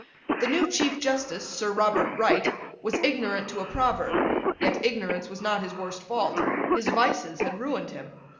The new Chief justice, Sir Robert Wright, was ignorant to a proverb; yet ignorance was not his worst fault. His vices had ruined him.